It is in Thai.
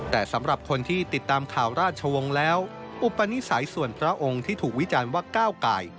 แต่สำหรับคนที่ติดตามข่าวราชวงศ์แล้วอุปนิสัยส่วนพระองค์ที่ถูกวิจารณ์ว่าก้าวไก่